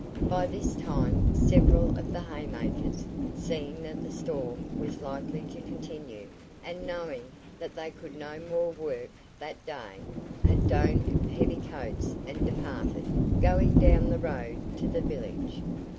By this time several of the haymakers, seeing that the storm was likely to continue, and knowing that they could no more work that day, had donned heavy coats and departed, going down the road to the village.